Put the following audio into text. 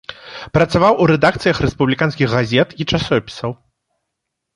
Працаваў у рэдакцыях рэспубліканскіх газет і часопісаў.